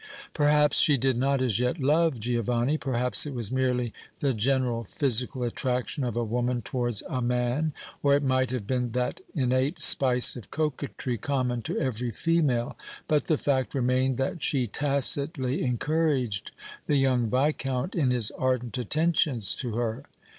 Perhaps she did not as yet love Giovanni, perhaps it was merely the general physical attraction of a woman towards a man, or it might have been that innate spice of coquetry common to every female, but the fact remained that she tacitly encouraged the young Viscount in his ardent attentions to her.